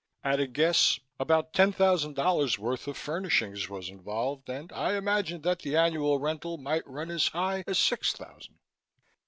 At a guess, about ten thousand dollar's worth of furnishings was involved and I imagined that the annual rental might run as high as six thousand.